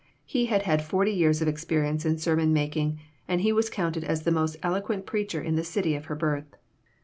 He had had forty years of experience in sermon making, and he was counted as the most eloquent preacher in the city of her birth.